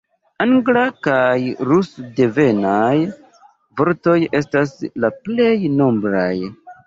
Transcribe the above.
Angla- kaj rus-devenaj vortoj estas la plej nombraj.